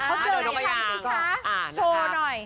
โชว์หน่อย